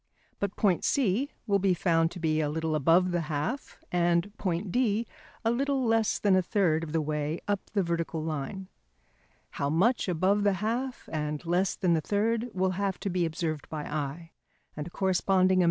But point C will be found to be a little above the half, and point D a little less than a third of the way up the vertical line. How much above the half and less than the third will have to be observed by eye and a corresponding amount allowed in setting out your drawing.